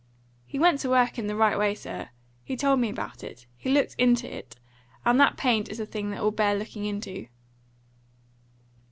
"He went to work in the right way, sir! He told me about it. He looked into it. And that paint is a thing that will bear looking into."